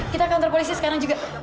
kita kantor polisi sekarang juga